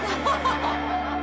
「ハハハハ！」